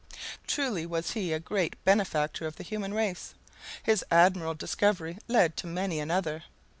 Truly was he a great benefactor of the human race. His admirable discovery led to many another.